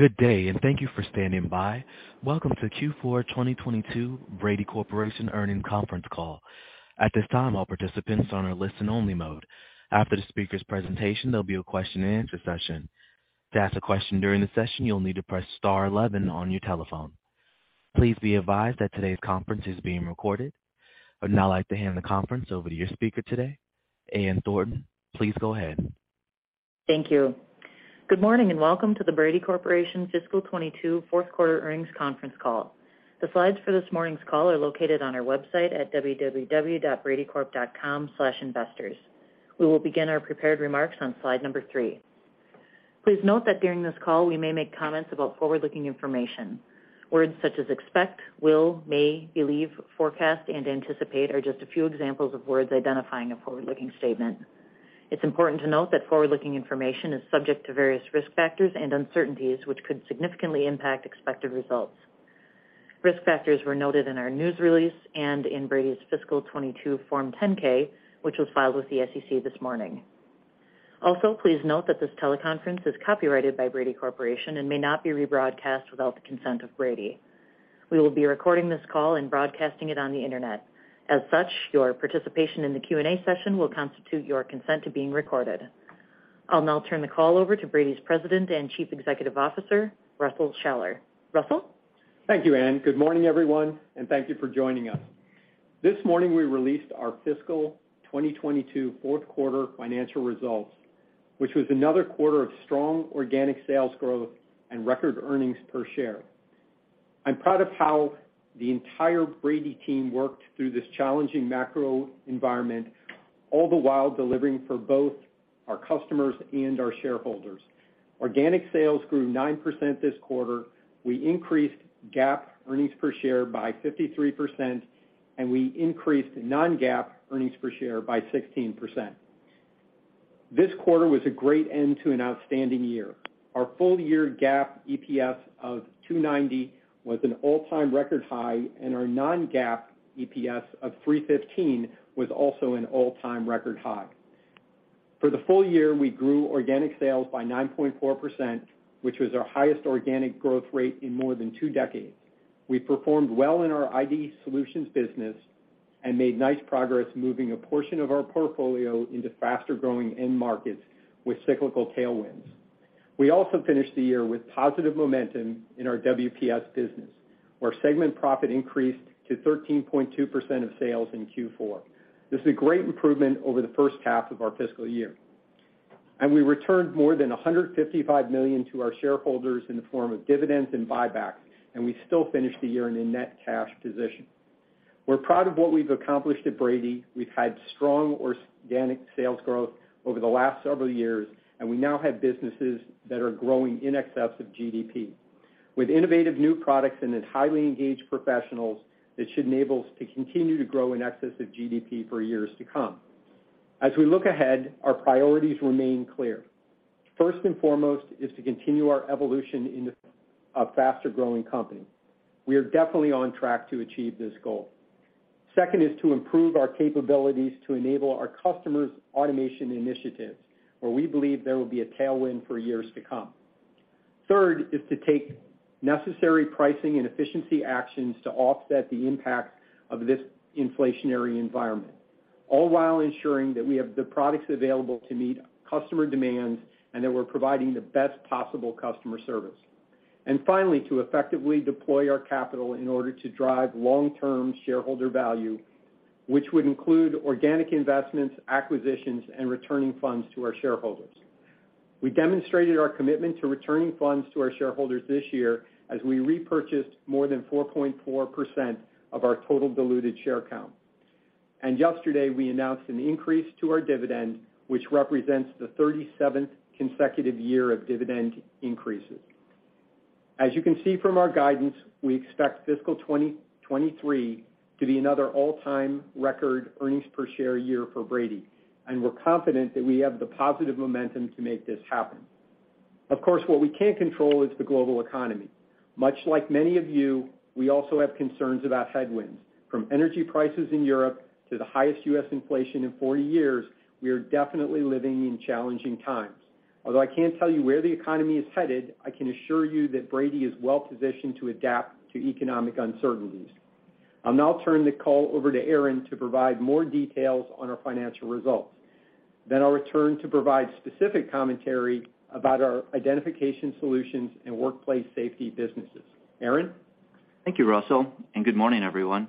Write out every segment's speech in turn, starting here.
Good day and thank you for standing by. Welcome to Q4 2022 Brady Corporation earnings conference call. At this time, all participants are on a listen only mode. After the speaker's presentation, there'll be a question-and-answer session. To ask a question during the session, you'll need to press star 11 on your telephone. Please be advised that today's conference is being recorded. I would now like to hand the conference over to your speaker today, Ann Thornton. Please go ahead. Thank you. Good morning and welcome to the Brady Corporation Fiscal 2022 fourth quarter earnings conference call. The slides for this morning's call are located on our website at www.bradycorp.com/investors. We will begin our prepared remarks on slide number three. Please note that during this call, we may make comments about forward-looking information. Words such as expect, will, may, believe, forecast, and anticipate are just a few examples of words identifying a forward-looking statement. It's important to note that forward-looking information is subject to various risk factors and uncertainties, which could significantly impact expected results. Risk factors were noted in our news release and in Brady's fiscal 2022 Form 10-K, which was filed with the SEC this morning. Also, please note that this teleconference is copyrighted by Brady Corporation and may not be rebroadcast without the consent of Brady. We will be recording this call and broadcasting it on the Internet. As such, your participation in the Q&A session will constitute your consent to being recorded. I'll now turn the call over to Brady's President and Chief Executive Officer, Russell Shaller. Russell? Thank you, Ann. Good morning, everyone, and thank you for joining us. This morning, we released our fiscal 2022 fourth quarter financial results, which was another quarter of strong organic sales growth and record earnings per share. I'm proud of how the entire Brady team worked through this challenging macro environment, all the while delivering for both our customers and our shareholders. Organic sales grew 9% this quarter. We increased GAAP earnings per share by 53%, and we increased non-GAAP earnings per share by 16%. This quarter was a great end to an outstanding year. Our full year GAAP EPS of $2.90 was an all-time record high, and our non-GAAP EPS of $3.15 was also an all-time record high. For the full year, we grew organic sales by 9.4%, which was our highest organic growth rate in more than two decades. We performed well in our ID solutions business and made nice progress moving a portion of our portfolio into faster growing end markets with cyclical tailwinds. We also finished the year with positive momentum in our WPS business, where segment profit increased to 13.2% of sales in Q4. This is a great improvement over the first half of our fiscal year. We returned more than $155 million to our shareholders in the form of dividends and buybacks, and we still finished the year in a net cash position. We're proud of what we've accomplished at Brady. We've had strong organic sales growth over the last several years, and we now have businesses that are growing in excess of GDP. With innovative new products and then highly engaged professionals, it should enable us to continue to grow in excess of GDP for years to come. As we look ahead, our priorities remain clear. First and foremost is to continue our evolution into a faster-growing company. We are definitely on track to achieve this goal. Second is to improve our capabilities to enable our customers' automation initiatives, where we believe there will be a tailwind for years to come. Third is to take necessary pricing and efficiency actions to offset the impact of this inflationary environment, all while ensuring that we have the products available to meet customer demands and that we're providing the best possible customer service. Finally, to effectively deploy our capital in order to drive long-term shareholder value, which would include organic investments, acquisitions, and returning funds to our shareholders. We demonstrated our commitment to returning funds to our shareholders this year as we repurchased more than 4.4% of our total diluted share count. Yesterday, we announced an increase to our dividend, which represents the 37th consecutive year of dividend increases. As you can see from our guidance, we expect fiscal 2023 to be another all-time record earnings per share year for Brady, and we're confident that we have the positive momentum to make this happen. Of course, what we can't control is the global economy. Much like many of you, we also have concerns about headwinds, from energy prices in Europe to the highest U.S. inflation in 40 years. We are definitely living in challenging times. Although I can't tell you where the economy is headed, I can assure you that Brady is well-positioned to adapt to economic uncertainties. I'll now turn the call over to Aaron Pearce to provide more details on our financial results. Then I'll return to provide specific commentary about our Identification Solutions and Workplace Safety businesses. Aaron? Thank you, Russell, and good morning, everyone.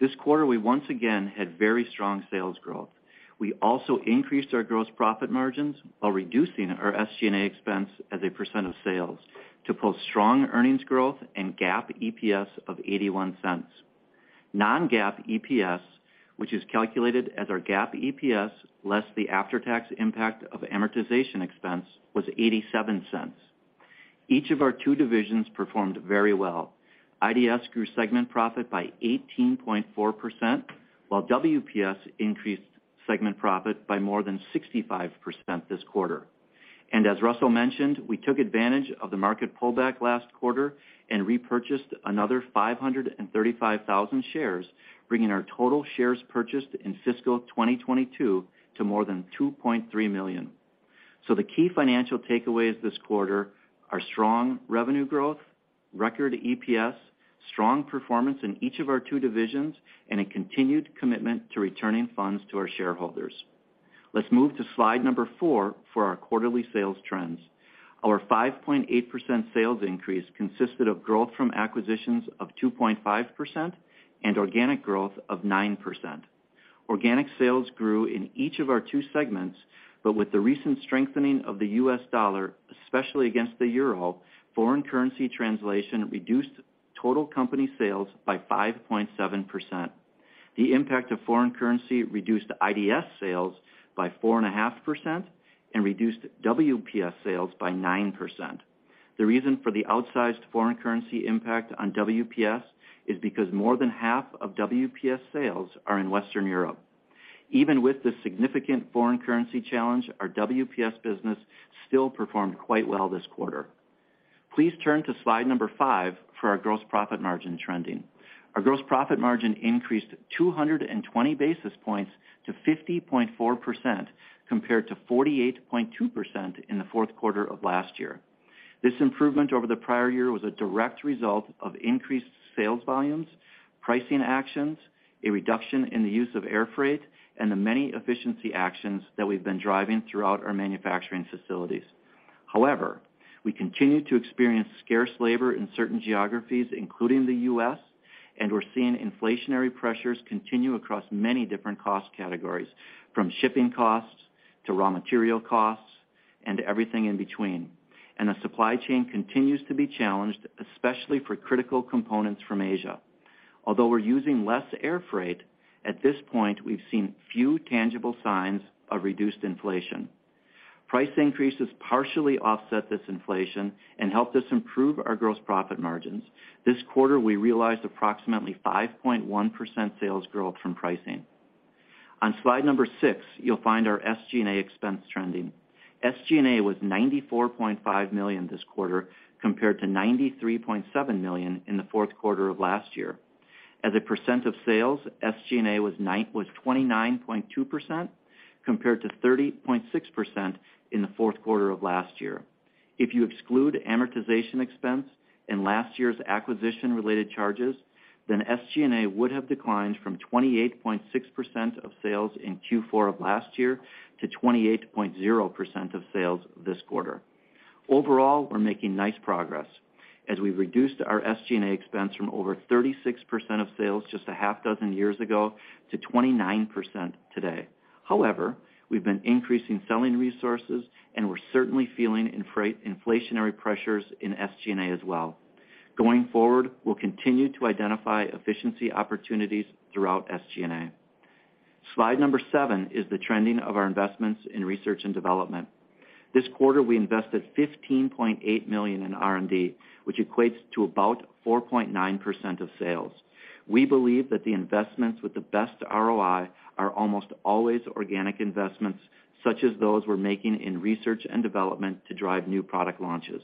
This quarter, we once again had very strong sales growth. We also increased our gross profit margins while reducing our SG&A expense as a % of sales to post strong earnings growth and GAAP EPS of $0.81. Non-GAAP EPS, which is calculated as our GAAP EPS less the after-tax impact of amortization expense, was $0.87. Each of our two divisions performed very well. IDS grew segment profit by 18.4%, while WPS increased segment profit by more than 65% this quarter. As Russell mentioned, we took advantage of the market pullback last quarter and repurchased another 535,000 shares, bringing our total shares purchased in fiscal 2022 to more than 2.3 million. The key financial takeaways this quarter are strong revenue growth, record EPS, strong performance in each of our 2 divisions, and a continued commitment to returning funds to our shareholders. Let's move to slide number 4 for our quarterly sales trends. Our 5.8% sales increase consisted of growth from acquisitions of 2.5% and organic growth of 9%. Organic sales grew in each of our 2 segments, but with the recent strengthening of the US dollar, especially against the euro, foreign currency translation reduced total company sales by 5.7%. The impact of foreign currency reduced IDS sales by 4.5% and reduced WPS sales by 9%. The reason for the outsized foreign currency impact on WPS is because more than half of WPS sales are in Western Europe. Even with the significant foreign currency challenge, our WPS business still performed quite well this quarter. Please turn to slide 5 for our gross profit margin trending. Our gross profit margin increased 220 basis points to 50.4% compared to 48.2% in the fourth quarter of last year. This improvement over the prior year was a direct result of increased sales volumes, pricing actions, a reduction in the use of air freight, and the many efficiency actions that we've been driving throughout our manufacturing facilities. However, we continue to experience scarce labor in certain geographies, including the U.S., and we're seeing inflationary pressures continue across many different cost categories, from shipping costs to raw material costs and everything in between. The supply chain continues to be challenged, especially for critical components from Asia. Although we're using less air freight, at this point, we've seen few tangible signs of reduced inflation. Price increases partially offset this inflation and helped us improve our gross profit margins. This quarter, we realized approximately 5.1% sales growth from pricing. On slide 6, you'll find our SG&A expense trending. SG&A was $94.5 million this quarter compared to $93.7 million in the fourth quarter of last year. As a percent of sales, SG&A was 29.2% compared to 30.6% in the fourth quarter of last year. If you exclude amortization expense and last year's acquisition-related charges, then SG&A would have declined from 28.6% of sales in Q4 of last year to 28.0% of sales this quarter. Overall, we're making nice progress as we've reduced our SG&A expense from over 36% of sales just a half dozen years ago to 29% today. However, we've been increasing selling resources, and we're certainly feeling inflationary pressures in SG&A as well. Going forward, we'll continue to identify efficiency opportunities throughout SG&A. Slide 7 is the trending of our investments in research and development. This quarter, we invested $15.8 million in R&D, which equates to about 4.9% of sales. We believe that the investments with the best ROI are almost always organic investments such as those we're making in research and development to drive new product launches.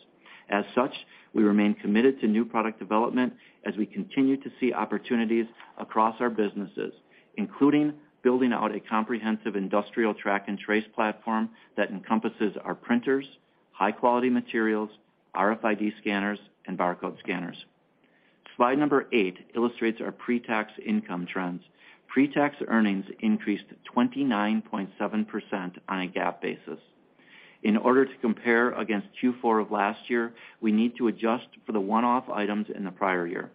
As such, we remain committed to new product development as we continue to see opportunities across our businesses, including building out a comprehensive industrial track and trace platform that encompasses our printers, high-quality materials, RFID scanners, and barcode scanners. Slide number 8 illustrates our pre-tax income trends. Pre-tax earnings increased 29.7% on a GAAP basis. In order to compare against Q4 of last year, we need to adjust for the one-off items in the prior year.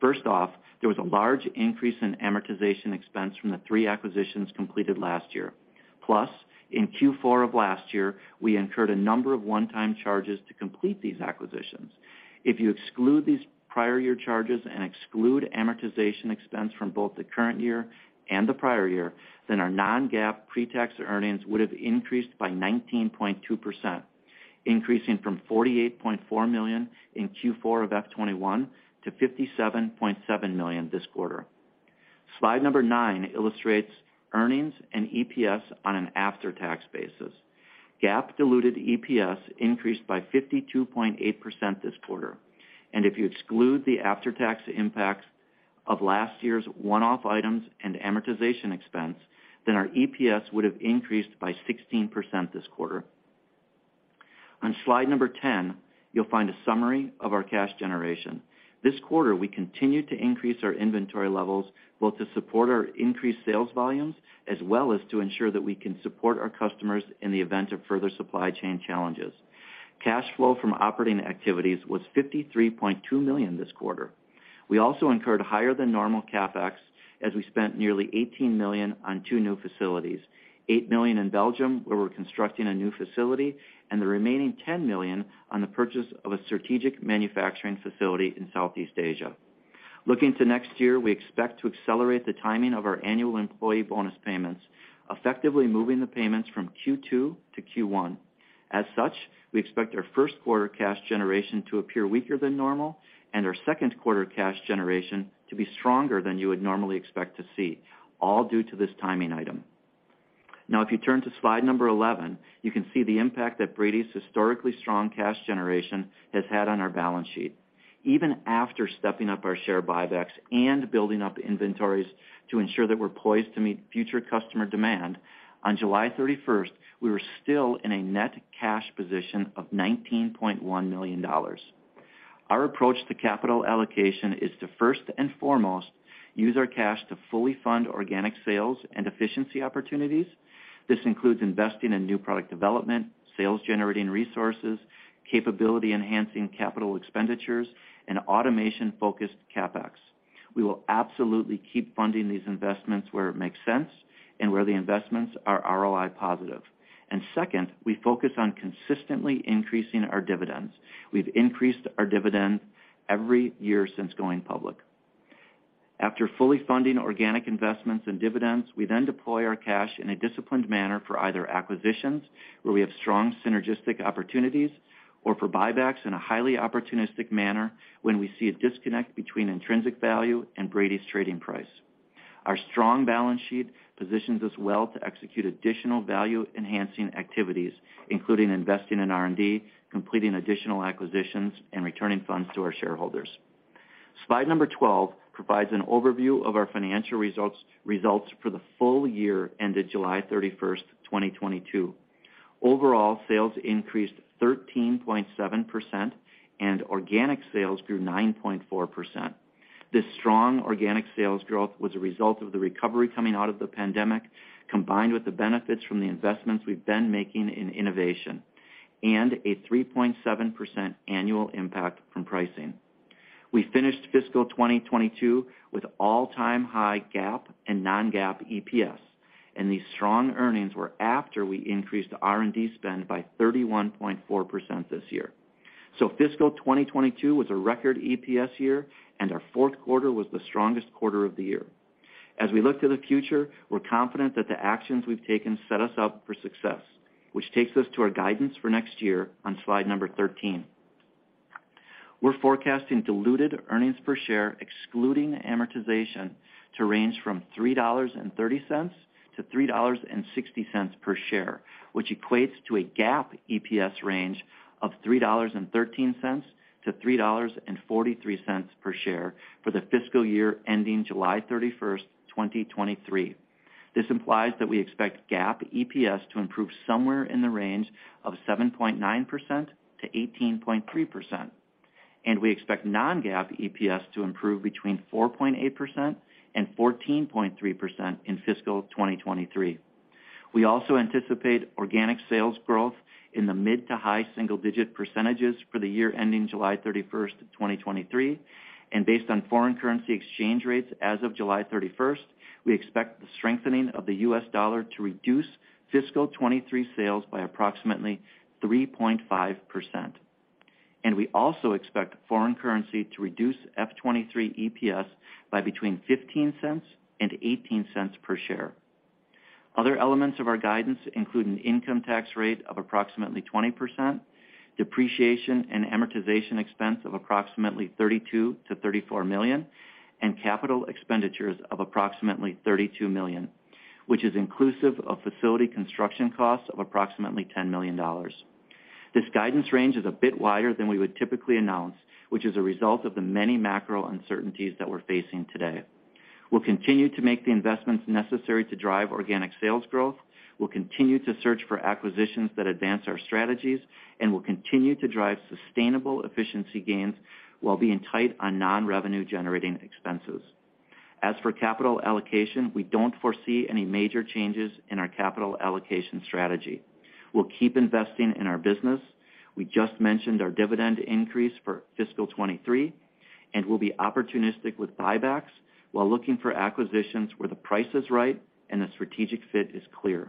First off, there was a large increase in amortization expense from the three acquisitions completed last year. In Q4 of last year, we incurred a number of one-time charges to complete these acquisitions. If you exclude these prior year charges and exclude amortization expense from both the current year and the prior year, then our non-GAAP pre-tax earnings would have increased by 19.2%, increasing from $48.4 million in Q4 of FY 2021 to $57.7 million this quarter. Slide number nine illustrates earnings and EPS on an after-tax basis. GAAP diluted EPS increased by 52.8% this quarter. If you exclude the after-tax impacts of last year's one-off items and amortization expense, then our EPS would have increased by 16% this quarter. On slide number ten, you'll find a summary of our cash generation. This quarter, we continued to increase our inventory levels, both to support our increased sales volumes as well as to ensure that we can support our customers in the event of further supply chain challenges. Cash flow from operating activities was $53.2 million this quarter. We also incurred higher than normal CapEx as we spent nearly $18 million on two new facilities, $8 million in Belgium, where we're constructing a new facility, and the remaining $10 million on the purchase of a strategic manufacturing facility in Southeast Asia. Looking to next year, we expect to accelerate the timing of our annual employee bonus payments, effectively moving the payments from Q2 to Q1. As such, we expect our first quarter cash generation to appear weaker than normal and our second quarter cash generation to be stronger than you would normally expect to see, all due to this timing item. Now if you turn to slide 11, you can see the impact that Brady's historically strong cash generation has had on our balance sheet. Even after stepping up our share buybacks and building up inventories to ensure that we're poised to meet future customer demand, on July 31, we were still in a net cash position of $19.1 million. Our approach to capital allocation is to first and foremost use our cash to fully fund organic sales and efficiency opportunities. This includes investing in new product development, sales-generating resources, capability-enhancing capital expenditures, and automation-focused CapEx. We will absolutely keep funding these investments where it makes sense and where the investments are ROI positive. Second, we focus on consistently increasing our dividends. We've increased our dividend every year since going public. After fully funding organic investments and dividends, we then deploy our cash in a disciplined manner for either acquisitions where we have strong synergistic opportunities or for buybacks in a highly opportunistic manner when we see a disconnect between intrinsic value and Brady's trading price. Our strong balance sheet positions us well to execute additional value-enhancing activities, including investing in R&D, completing additional acquisitions, and returning funds to our shareholders. Slide number 12 provides an overview of our financial results for the full year ended July 31, 2022. Overall, sales increased 13.7%, and organic sales grew 9.4%. This strong organic sales growth was a result of the recovery coming out of the pandemic, combined with the benefits from the investments we've been making in innovation and a 3.7% annual impact from pricing. We finished fiscal 2022 with all-time high GAAP and non-GAAP EPS, and these strong earnings were after we increased R&D spend by 31.4% this year. Fiscal 2022 was a record EPS year, and our fourth quarter was the strongest quarter of the year. As we look to the future, we're confident that the actions we've taken set us up for success, which takes us to our guidance for next year on slide number 13. We're forecasting diluted earnings per share excluding amortization to range from $3.30 to $3.60 per share, which equates to a GAAP EPS range of $3.13-$3.43 per share for the fiscal year ending July 31, 2023. This implies that we expect GAAP EPS to improve somewhere in the range of 7.9%-18.3%, and we expect non-GAAP EPS to improve between 4.8% and 14.3% in fiscal 2023. We also anticipate organic sales growth in the mid to high single-digit percentages for the year ending July 31, 2023. Based on foreign currency exchange rates as of July 31, we expect the strengthening of the US dollar to reduce fiscal 2023 sales by approximately 3.5%. We also expect foreign currency to reduce fiscal 2023 EPS by between $0.15 and $0.18 per share. Other elements of our guidance include an income tax rate of approximately 20%, depreciation and amortization expense of approximately $32 million-$34 million, and capital expenditures of approximately $32 million, which is inclusive of facility construction costs of approximately $10 million. This guidance range is a bit wider than we would typically announce, which is a result of the many macro uncertainties that we're facing today. We'll continue to make the investments necessary to drive organic sales growth. We'll continue to search for acquisitions that advance our strategies, and we'll continue to drive sustainable efficiency gains while being tight on non-revenue generating expenses. As for capital allocation, we don't foresee any major changes in our capital allocation strategy. We'll keep investing in our business. We just mentioned our dividend increase for fiscal 2023, and we'll be opportunistic with buybacks while looking for acquisitions where the price is right and the strategic fit is clear.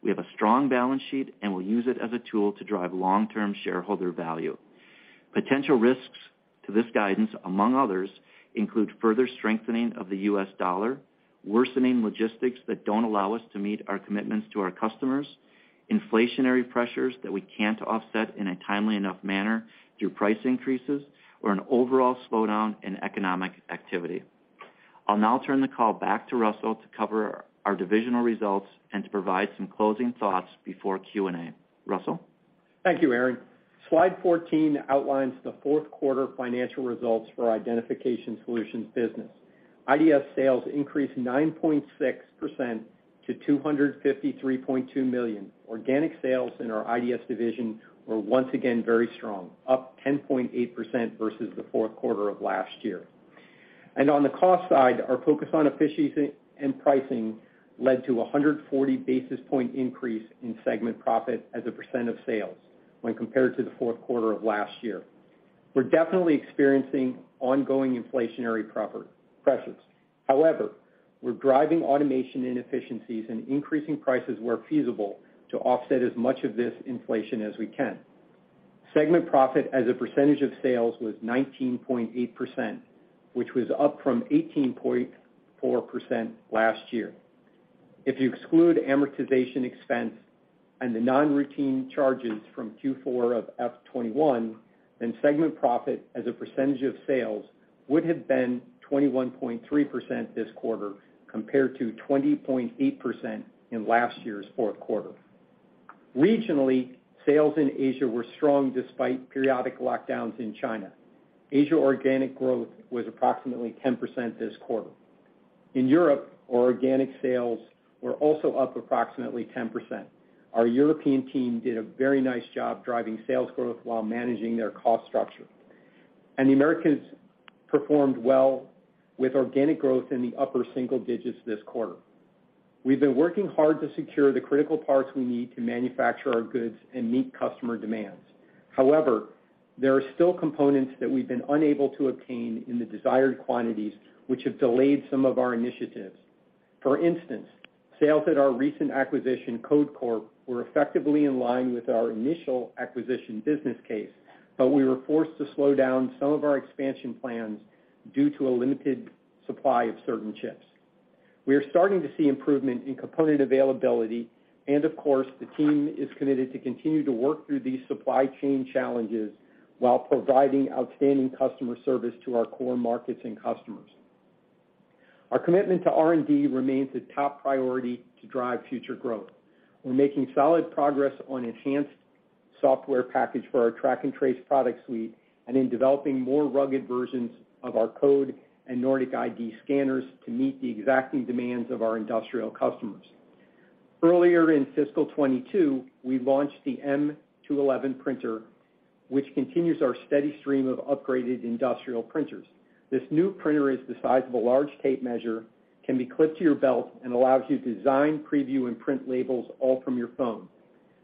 We have a strong balance sheet, and we'll use it as a tool to drive long-term shareholder value. Potential risks to this guidance, among others, include further strengthening of the US dollar, worsening logistics that don't allow us to meet our commitments to our customers, inflationary pressures that we can't offset in a timely enough manner through price increases, or an overall slowdown in economic activity. I'll now turn the call back to Russell to cover our divisional results and to provide some closing thoughts before Q&A. Russell? Thank you, Aaron. Slide 14 outlines the fourth quarter financial results for our Identification Solutions business. IDS sales increased 9.6% to $253.2 million. Organic sales in our IDS division were once again very strong, up 10.8% versus the fourth quarter of last year. On the cost side, our focus on efficiency and pricing led to a 140-basis point increase in segment profit as a percent of sales when compared to the fourth quarter of last year. We're definitely experiencing ongoing inflationary pressures. However, we're driving automation efficiencies and increasing prices where feasible to offset as much of this inflation as we can. Segment profit as a percentage of sales was 19.8%, which was up from 18.4% last year. If you exclude amortization expense and the non-routine charges from Q4 of FY 2021, then segment profit as a percentage of sales would have been 21.3% this quarter compared to 20.8% in last year's fourth quarter. Regionally, sales in Asia were strong despite periodic lockdowns in China. Asia organic growth was approximately 10% this quarter. In Europe, organic sales were also up approximately 10%. Our European team did a very nice job driving sales growth while managing their cost structure. The Americas performed well with organic growth in the upper single digits this quarter. We've been working hard to secure the critical parts we need to manufacture our goods and meet customer demands. However, there are still components that we've been unable to obtain in the desired quantities, which have delayed some of our initiatives. For instance, sales at our recent acquisition, Code Corp, were effectively in line with our initial acquisition business case, but we were forced to slow down some of our expansion plans due to a limited supply of certain chips. We are starting to see improvement in component availability, and of course, the team is committed to continue to work through these supply chain challenges while providing outstanding customer service to our core markets and customers. Our commitment to R&D remains a top priority to drive future growth. We're making solid progress on enhanced software package for our track and trace product suite and in developing more rugged versions of our Code and Nordic ID scanners to meet the exacting demands of our industrial customers. Earlier in fiscal 2022, we launched the M211 printer, which continues our steady stream of upgraded industrial printers. This new printer is the size of a large tape measure, can be clipped to your belt, and allows you to design, preview, and print labels all from your phone.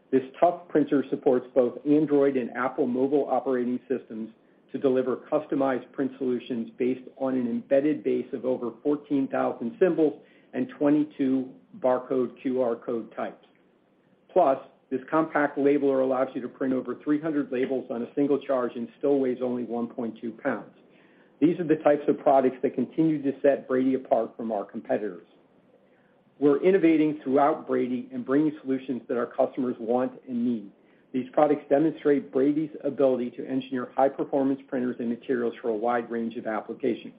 This tough printer supports both Android and Apple mobile operating systems to deliver customized print solutions based on an embedded base of over 14,000 symbols and 22 barcode QR code types. Plus, this compact labeler allows you to print over 300 labels on a single charge and still weighs only 1.2 pounds. These are the types of products that continue to set Brady apart from our competitors. We're innovating throughout Brady and bringing solutions that our customers want and need. These products demonstrate Brady's ability to engineer high-performance printers and materials for a wide range of applications.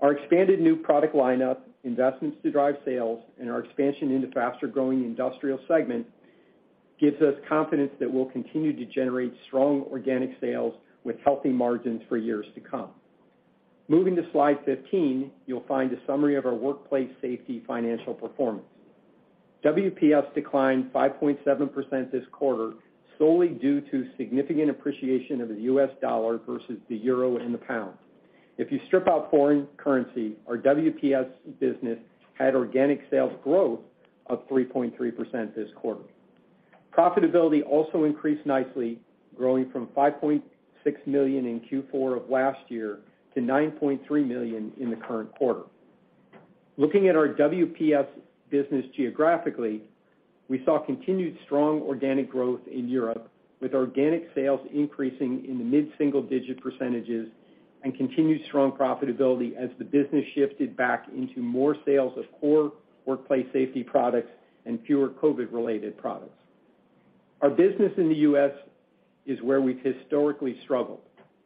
Our expanded new product lineup, investments to drive sales, and our expansion into faster-growing industrial segment gives us confidence that we'll continue to generate strong organic sales with healthy margins for years to come. Moving to slide 15, you'll find a summary of our workplace safety financial performance. WPS declined 5.7% this quarter solely due to significant appreciation of the US dollar versus the euro and the pound. If you strip out foreign currency, our WPS business had organic sales growth of 3.3% this quarter. Profitability also increased nicely, growing from $5.6 million in Q4 of last year to $9.3 million in the current quarter. Looking at our WPS business geographically, we saw continued strong organic growth in Europe, with organic sales increasing in the mid-single-digit percentages and continued strong profitability as the business shifted back into more sales of core workplace safety products and fewer COVID-related products. Our business in the U.S. is where we've historically struggled.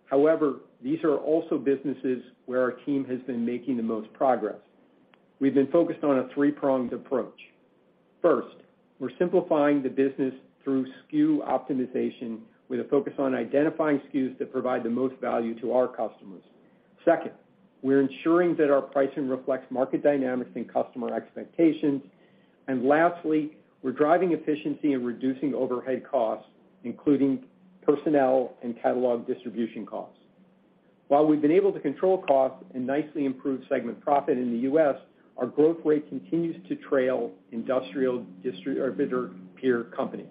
However, these are also businesses where our team has been making the most progress. We've been focused on a three-pronged approach. First, we're simplifying the business through SKU optimization with a focus on identifying SKUs that provide the most value to our customers. Second, we're ensuring that our pricing reflects market dynamics and customer expectations. And lastly, we're driving efficiency and reducing overhead costs, including personnel and catalog distribution costs. While we've been able to control costs and nicely improve segment profit in the U.S., our growth rate continues to trail industrial distributors or bigger peer companies.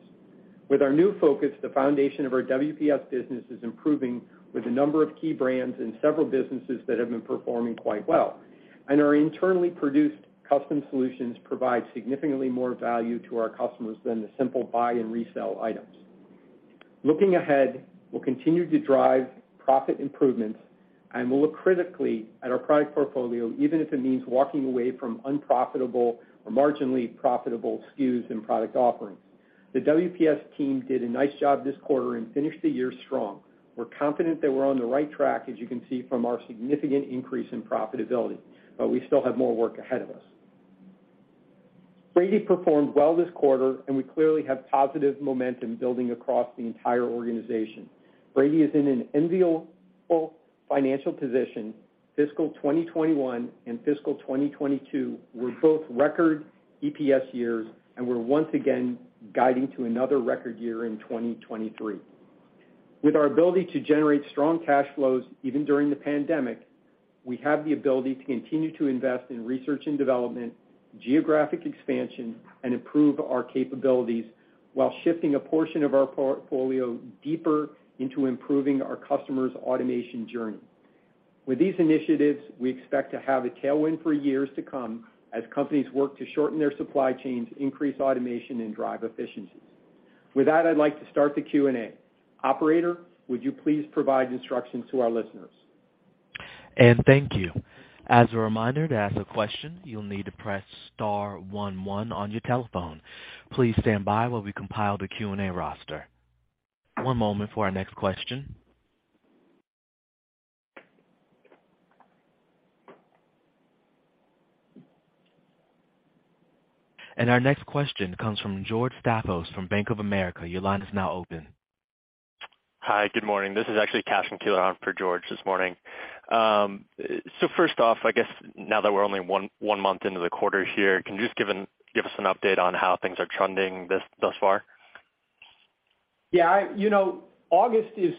With our new focus, the foundation of our WPS business is improving with a number of key brands and several businesses that have been performing quite well. Our internally produced custom solutions provide significantly more value to our customers than the simple buy-and-resell items. Looking ahead, we'll continue to drive profit improvements, and we'll look critically at our product portfolio, even if it means walking away from unprofitable or marginally profitable SKUs and product offerings. The WPS team did a nice job this quarter and finished the year strong. We're confident that we're on the right track, as you can see from our significant increase in profitability, but we still have more work ahead of us. Brady performed well this quarter, and we clearly have positive momentum building across the entire organization. Brady is in an enviable financial position. Fiscal 2021 and fiscal 2022 were both record EPS years, and we're once again guiding to another record year in 2023. With our ability to generate strong cash flows, even during the pandemic, we have the ability to continue to invest in research and development, geographic expansion, and improve our capabilities while shifting a portion of our portfolio deeper into improving our customers' automation journey. With these initiatives, we expect to have a tailwind for years to come as companies work to shorten their supply chains, increase automation, and drive efficiencies. With that, I'd like to start the Q&A. Operator, would you please provide instructions to our listeners? Thank you. As a reminder, to ask a question, you'll need to press star one one on your telephone. Please stand by while we compile the Q&A roster. One moment for our next question. Our next question comes from George Staphos from Bank of America. Your line is now open. Hi. Good morning. This is actually Cashen Keeler on for George this morning. First off, I guess now that we're only one month into the quarter here, can you just give us an update on how things are trending thus far? Yeah, you know, August is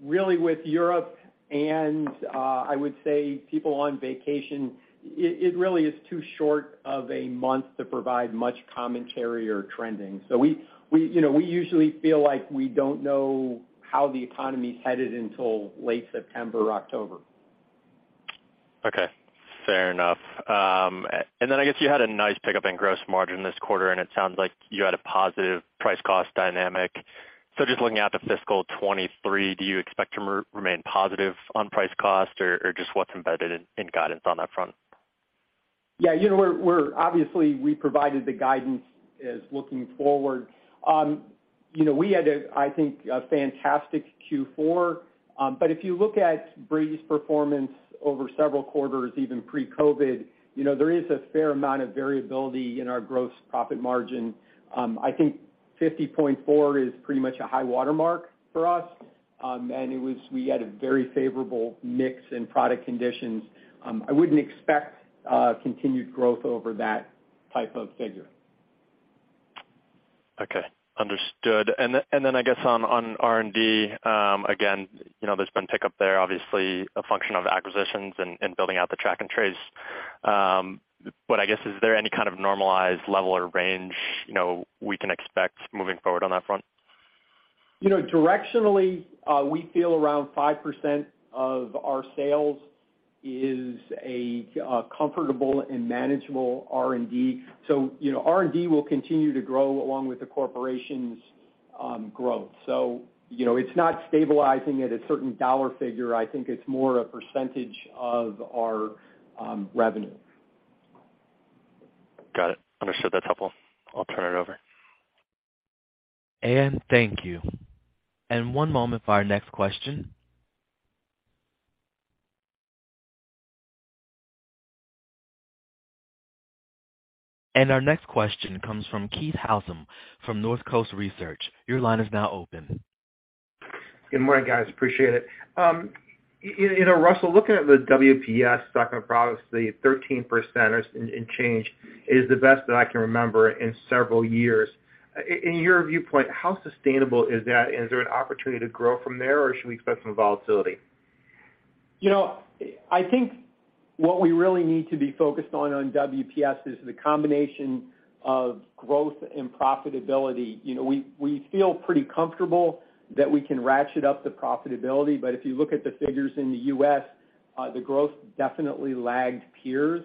really with Europe and I would say people on vacation. It really is too short of a month to provide much commentary or trending. We, you know, we usually feel like we don't know how the economy's headed until late September or October. Okay. Fair enough. I guess you had a nice pickup in gross margin this quarter, and it sounds like you had a positive price cost dynamic. Just looking out to fiscal 2023, do you expect to remain positive on price cost or just what's embedded in guidance on that front? Yeah, you know, obviously, we provided the guidance as looking forward. You know, we had, I think, a fantastic Q4. If you look at Brady's performance over several quarters, even pre-COVID, you know, there is a fair amount of variability in our gross profit margin. I think 50.4% is pretty much a high watermark for us, and we had a very favorable mix and product conditions. I wouldn't expect continued growth over that type of figure. Okay. Understood. I guess on R&D, again, you know, there's been pick up there, obviously a function of acquisitions and building out the track and trace. I guess is there any kind of normalized level or range, you know, we can expect moving forward on that front? You know, directionally, we feel around 5% of our sales is a comfortable and manageable R&D. You know, R&D will continue to grow along with the corporation's growth. You know, it's not stabilizing at a certain dollar figure. I think it's more a percentage of our revenue. Got it. Understood. That's helpful. I'll turn it over. Thank you. One moment for our next question. Our next question comes from Keith Housum from Northcoast Research. Your line is now open. Good morning, guys. Appreciate it. You know, Russell, looking at the WPS segment products, the 13% or so and change is the best that I can remember in several years. In your viewpoint, how sustainable is that? Is there an opportunity to grow from there, or should we expect some volatility? You know, I think what we really need to be focused on WPS is the combination of growth and profitability. You know, we feel pretty comfortable that we can ratchet up the profitability, but if you look at the figures in the U.S., the growth definitely lagged peers.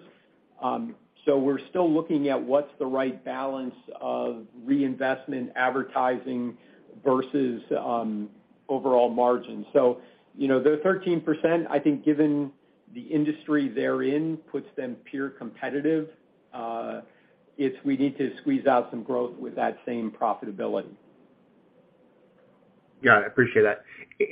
We're still looking at what's the right balance of reinvestment, advertising versus overall margin. You know, the 13%, I think, given the industry they're in, puts them peer competitive. We need to squeeze out some growth with that same profitability. Got it. Appreciate that.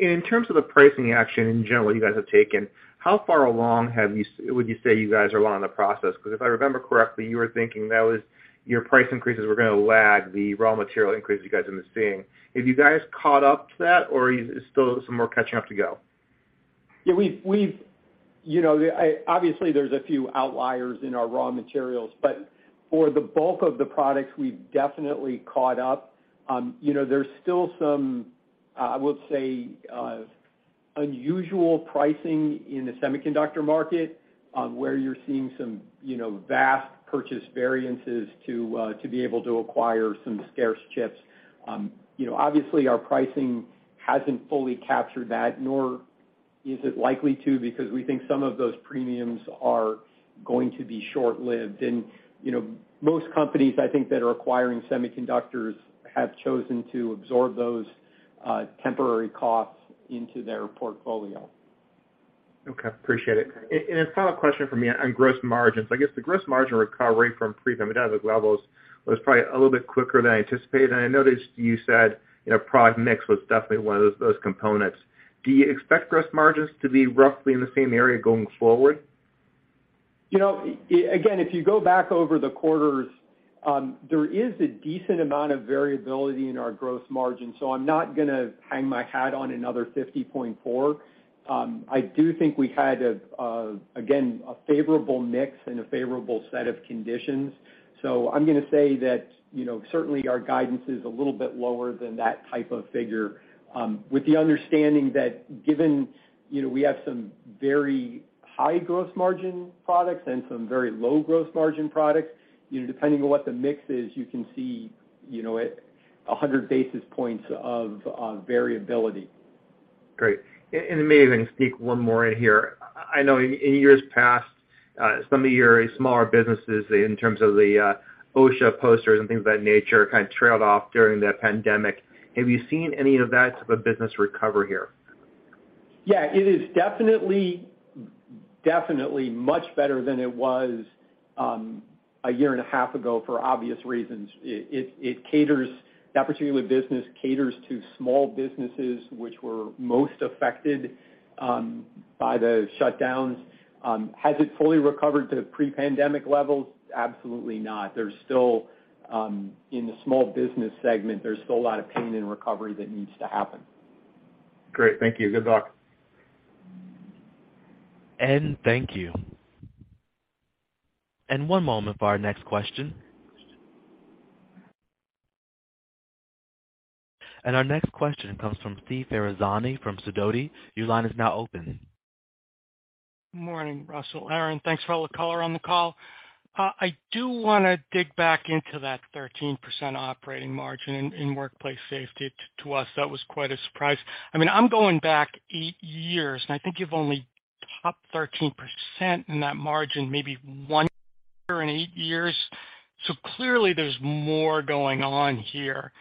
In terms of the pricing action in general you guys have taken, how far along would you say you guys are along in the process? 'Cause if I remember correctly, you were thinking that was your price increases were gonna lag the raw material increases you guys end up seeing. Have you guys caught up to that or is still some more catching up to go? Yeah, we've. You know, obviously, there's a few outliers in our raw materials, but for the bulk of the products, we've definitely caught up. You know, there's still some, I would say, unusual pricing in the semiconductor market, where you're seeing some, you know, vast purchase variances to be able to acquire some scarce chips. You know, obviously, our pricing hasn't fully captured that, nor is it likely to, because we think some of those premiums are going to be short-lived. You know, most companies, I think, that are acquiring semiconductors have chosen to absorb those temporary costs into their portfolio. Okay. Appreciate it. A follow-up question from me on gross margins. I guess the gross margin recovery from pre-pandemic levels was probably a little bit quicker than I anticipated. I noticed you said, you know, product mix was definitely one of those components. Do you expect gross margins to be roughly in the same area going forward? You know, again, if you go back over the quarters, there is a decent amount of variability in our gross margin, so I'm not gonna hang my hat on another 50.4%. I do think we had, again, a favorable mix and a favorable set of conditions. I'm gonna say that, you know, certainly our guidance is a little bit lower than that type of figure, with the understanding that given, you know, we have some very high gross margin products and some very low gross margin products, you know, depending on what the mix is, you can see a 100 basis points of variability. Great. Maybe I can sneak one more in here. I know in years past, some of your smaller businesses in terms of the OSHA posters and things of that nature kind of trailed off during the pandemic. Have you seen any of that type of business recover here? Yeah. It is definitely much better than it was a year and a half ago for obvious reasons. That particular business caters to small businesses which were most affected by the shutdowns. Has it fully recovered to pre-pandemic levels? Absolutely not. There's still, in the small business segment, there's still a lot of pain and recovery that needs to happen. Great. Thank you. Good luck. Thank you. One moment for our next question. Our next question comes from Steve Ferazani from Sidoti. Your line is now open. Morning, Russell, Aaron. Thanks for all the color on the call. I do wanna dig back into that 13% operating margin in workplace safety. To us, that was quite a surprise. I mean, I'm going back eight years, and I think you've only topped 13% in that margin maybe once in eight years. So clearly there's more going on here.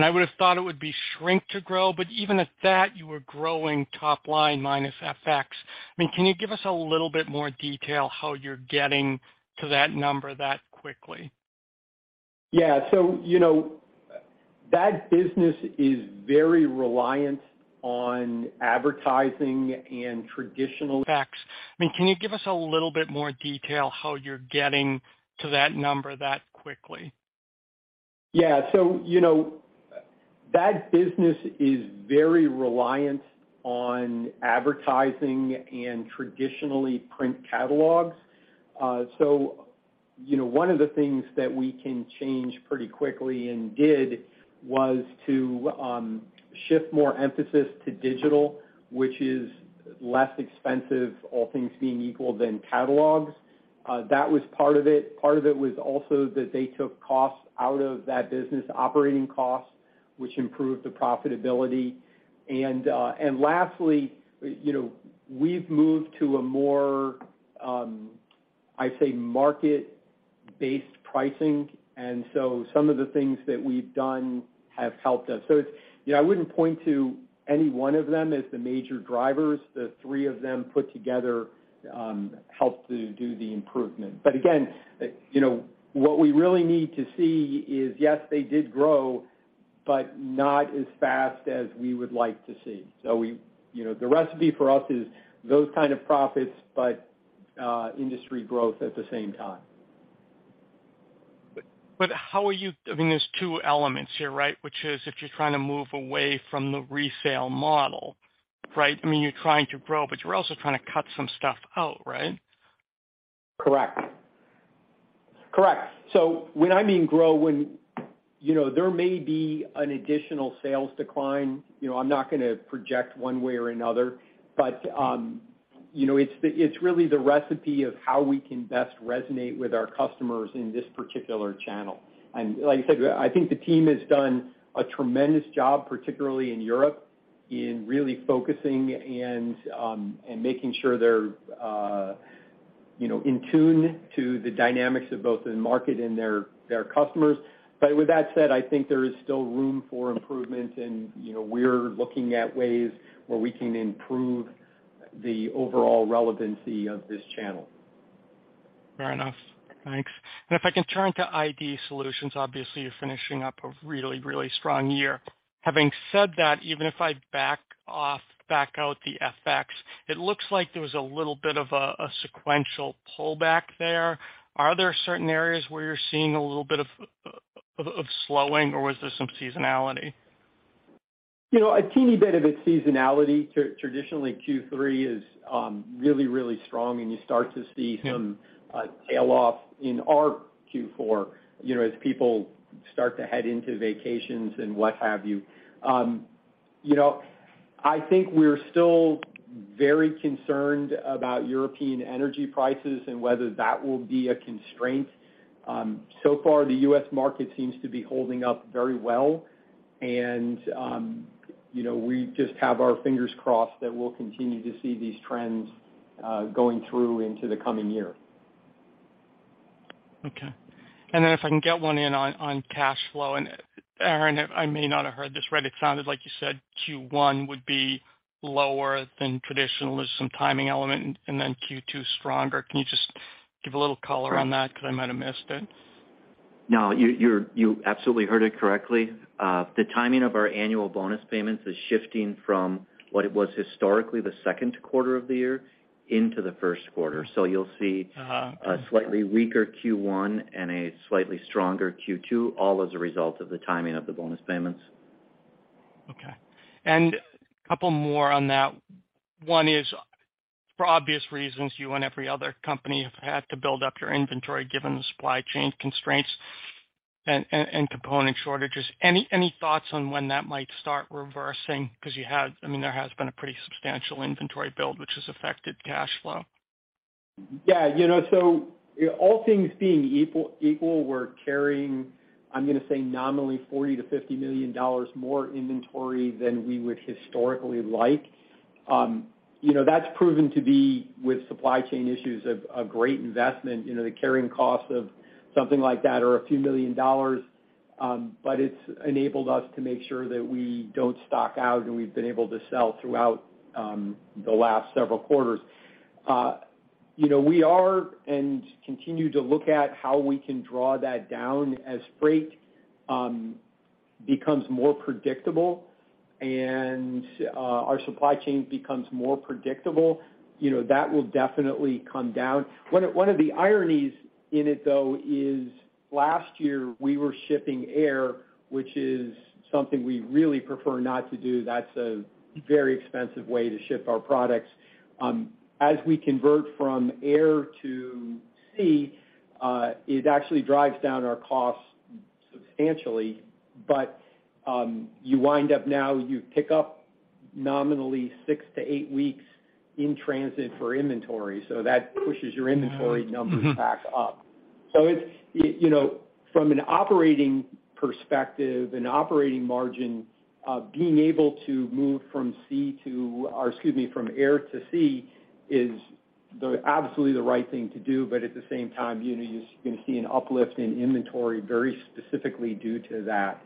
I would have thought it would be shrink to grow, but even at that, you were growing top line minus FX. I mean, can you give us a little bit more detail how you're getting to that number that quickly? Yeah. You know, that business is very reliant on advertising and traditional facts. I mean, can you give us a little bit more detail how you're getting to that number that quickly? Yeah. You know that business is very reliant on advertising and traditionally print catalogs. You know, one of the things that we can change pretty quickly and did was to shift more emphasis to digital, which is less expensive, all things being equal than catalogs. That was part of it. Part of it was also that they took costs out of that business operating costs, which improved the profitability. Lastly, you know, we've moved to a more, I'd say, market-based pricing, and so some of the things that we've done have helped us. It's. You know, I wouldn't point to any one of them as the major drivers. The three of them put together helped to do the improvement. Again, you know, what we really need to see is, yes, they did grow, but not as fast as we would like to see. You know, the recipe for us is those kinds of profits, but industry growth at the same time. How are you, I mean, there's two elements here, right? Which is if you're trying to move away from the resale model, right? I mean, you're trying to grow, but you're also trying to cut some stuff out, right? Correct. I mean grow when, you know, there may be an additional sales decline, you know. I'm not gonna project one way or another, but, you know, it's really the recipe of how we can best resonate with our customers in this particular channel. Like I said, I think the team has done a tremendous job, particularly in Europe, in really focusing and making sure there, you know, in tune to the dynamics of both the market and their customers. With that said, I think there is still room for improvement and, you know, we're looking at ways where we can improve the overall relevancy of this channel. Fair enough. Thanks. If I can turn to ID Solutions, obviously, you're finishing up a really, really strong year. Having said that, even if I back out the FX, it looks like there was a little bit of a sequential pullback there. Are there certain areas where you're seeing a little bit of slowing, or was there some seasonality? You know, a teeny bit of it's seasonality. Traditionally, Q3 is really strong, and you start to see some tail off in our Q4, you know, as people start to head into vacations and what have you. You know, I think we're still very concerned about European energy prices and whether that will be a constraint. So far, the US market seems to be holding up very well and, you know, we just have our fingers crossed that we'll continue to see these trends going through into the coming year. Okay. Then if I can get one in on cash flow. Aaron, I may not have heard this right. It sounded like you said Q1 would be lower than traditional. There's some timing element, and then Q2 is stronger. Can you just give a little color on that because I might have missed it? No, you absolutely heard it correctly. The timing of our annual bonus payments is shifting from what it was historically the second quarter of the year into the first quarter. You'll see. Uh-huh. A slightly weaker Q1 and a slightly stronger Q2, all as a result of the timing of the bonus payments. Okay. A couple more on that. One is, for obvious reasons, you and every other company have had to build up your inventory given the supply chain constraints and component shortages. Any thoughts on when that might start reversing? 'Cause I mean, there has been a pretty substantial inventory build, which has affected cash flow. Yeah. You know, all things being equal, we're carrying, I'm gonna say nominally $40 million-$50 million more inventory than we would historically like. You know, that's proven to be with supply chain issues a great investment. You know, the carrying cost of something like that are a few million dollars, but it's enabled us to make sure that we don't stock out, and we've been able to sell throughout the last several quarters. You know, we are and continue to look at how we can draw that down as freight becomes more predictable and our supply chain becomes more predictable, you know, that will definitely come down. One of the ironies in it, though, is last year we were shipping air, which is something we really prefer not to do. That's a very expensive way to ship our products. As we convert from air to sea, it actually drives down our costs substantially. You wind up now, you pick up nominally 6 to 8 weeks in transit for inventory, so that pushes your inventory numbers back up. It's, you know, from an operating perspective and operating margin, being able to move from air to sea is absolutely the right thing to do. At the same time, you know, you're gonna see an uplift in inventory very specifically due to that.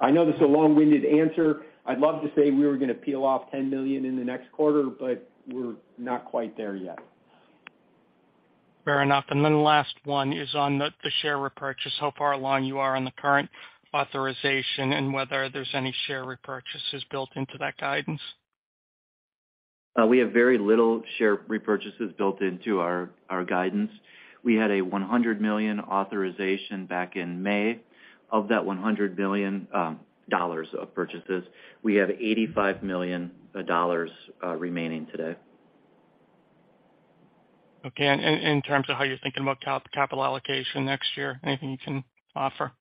I know this is a long-winded answer. I'd love to say we were gonna peel off $10 million in the next quarter, but we're not quite there yet. Fair enough. Last one is on the share repurchase, how far along you are on the current authorization and whether there's any share repurchases built into that guidance? We have very little share repurchases built into our guidance. We had a $100 million authorization back in May. Of that $100 million dollars of purchases, we have $85 million dollars remaining today. Okay. In terms of how you're thinking about capital allocation next year, anything you can offer?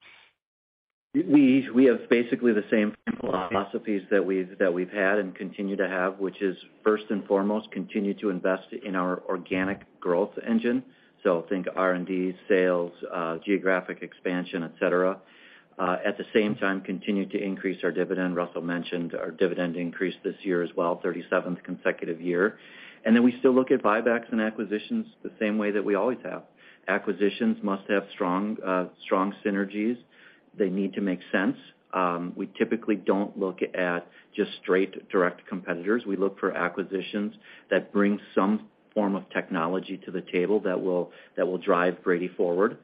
We have basically the same philosophies that we've had and continue to have, which is, first and foremost, continue to invest in our organic growth engine. So think R&D, sales, geographic expansion, et cetera. At the same time, continue to increase our dividend. Russell mentioned our dividend increase this year as well, 37th consecutive year. Then we still look at buybacks and acquisitions the same way that we always have. Acquisitions must have strong synergies. They need to make sense. We typically don't look at just straight direct competitors. We look for acquisitions that bring some form of technology to the table that will drive Brady forward.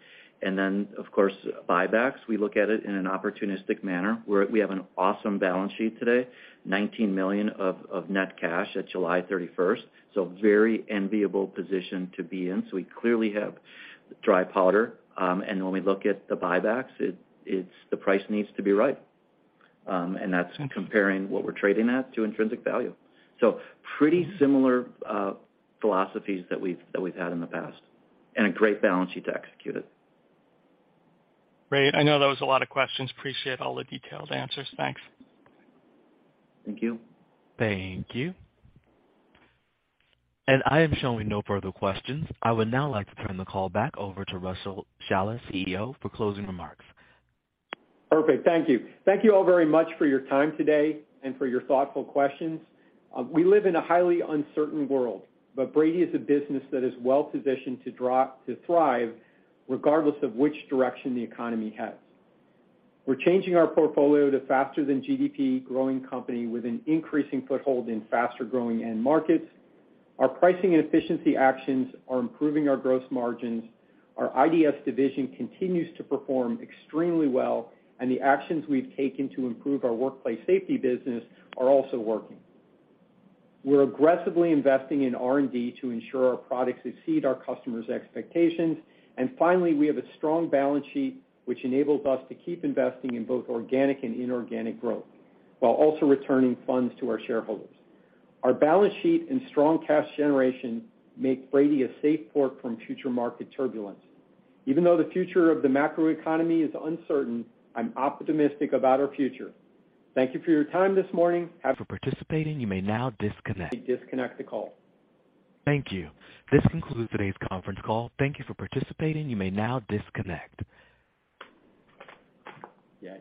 Then, of course, buybacks. We look at it in an opportunistic manner. We have an awesome balance sheet today, $19 million of net cash at July 31st, very enviable position to be in. We clearly have dry powder. When we look at the buybacks, it's the price needs to be right. That's comparing what we're trading at to intrinsic value. Pretty similar philosophies that we've had in the past, and a great balance sheet to execute it. Great. I know that was a lot of questions. Appreciate all the detailed answers. Thanks. Thank you. Thank you. I am showing no further questions. I would now like to turn the call back over to Russell Shaller, CEO, for closing remarks. Perfect. Thank you. Thank you all very much for your time today and for your thoughtful questions. We live in a highly uncertain world, but Brady is a business that is well-positioned to thrive regardless of which direction the economy heads. We're changing our portfolio to faster than GDP growing company with an increasing foothold in faster-growing end markets. Our pricing and efficiency actions are improving our gross margins. Our IDS division continues to perform extremely well, and the actions we've taken to improve our workplace safety business are also working. We're aggressively investing in R&D to ensure our products exceed our customers' expectations. Finally, we have a strong balance sheet, which enables us to keep investing in both organic and inorganic growth while also returning funds to our shareholders. Our balance sheet and strong cash generation make Brady a safe port from future market turbulence. Even though the future of the macroeconomy is uncertain, I'm optimistic about our future. Thank you for your time this morning. Thank you for participating. You may now disconnect. Disconnect the call. Thank you. This concludes today's conference call. Thank you for participating. You may now disconnect. Yeah.